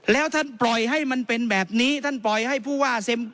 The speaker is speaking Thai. แล้วท่านปล่อยให้มันเป็นแบบนี้ท่านปล่อยให้ผู้ว่า